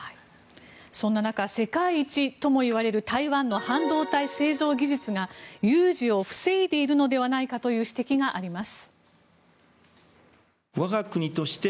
そんな中世界一ともいわれる台湾の半導体製造技術が有事を防いでいるのではないかという指摘があります。